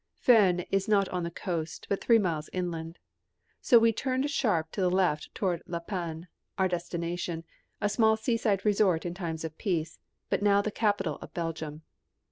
Furnes is not on the coast, but three miles inland. So we turned sharp to the left toward La Panne, our destination, a small seaside resort in times of peace, but now the capital of Belgium.